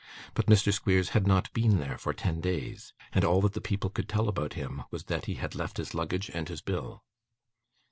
But Mr. Squeers had not been there for ten days, and all that the people could tell about him was, that he had left his luggage and his bill.